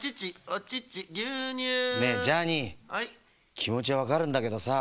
きもちはわかるんだけどさ